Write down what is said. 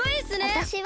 わたしは。